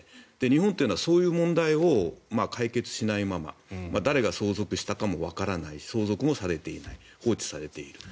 日本というのはそういう問題を解決しないまま誰が相続したかもわからない相続もわからない放置されている。